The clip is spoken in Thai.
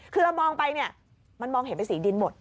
คือเรามองไปเนี่ยมันมองเห็นเป็นสีดินหมด